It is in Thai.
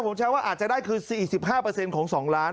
ผมใช้ว่าอาจจะได้คือ๔๕ของ๒ล้าน